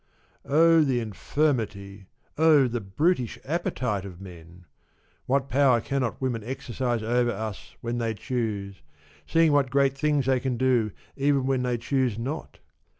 Oh the infirmity, oh the brutish appetite of men ! What power cannot women exercise over us when they choose, seeing what great things they can do even when they choose not